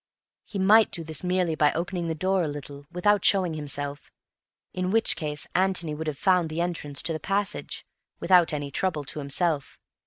He might do this merely by opening the door a little without showing himself, in which case Antony would have found the entrance to the passage without any trouble to himself.